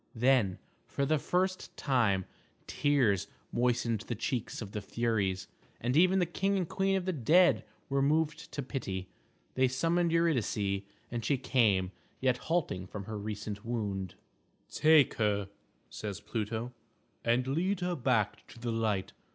Then, for the first time, tears moistened the cheeks of the Furies, and even the king and queen of the dead were moved to pity. They summoned Eurydice, and she came, yet halting from her recent wound. "Take her," says Pluto, "and lead her back to the light.